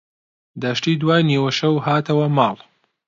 دەشتی دوای نیوەشەو هاتەوە ماڵ.